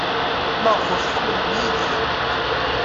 Maɣef ur tḥemmlem Yidir?